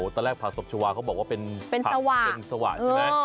ตอนแรกผักตบชาวาเขาบอกว่าเป็นเป็นสว่าเป็นสว่าใช่ไหมเออ